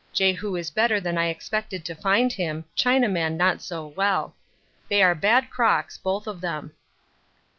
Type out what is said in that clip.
Jehu is better than I expected to find him, Chinaman not so well. They are bad crocks both of them.